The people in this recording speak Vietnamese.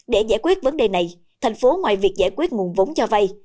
để giải quyết vấn đề này thành phố ngoài việc giải quyết nguồn vốn cho vay